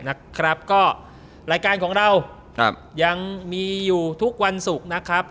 นะครับก็รายการของเรายังมีอยู่ทุกวันศุกร์นะครับ